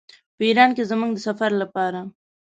په ایران کې زموږ د سفر لپاره.